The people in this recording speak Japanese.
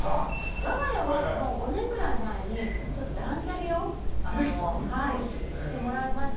わが家は５年くらい前にちょっと断捨離をしてもらいました。